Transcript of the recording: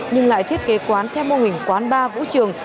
nhưng lại thiết kế quán theo mô hình quán bar vũ trường